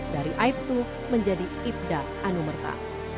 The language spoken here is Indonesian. dari aibtu menjadi ibda anumerta